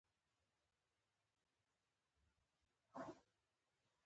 له چا سره يې نښته ونه شي.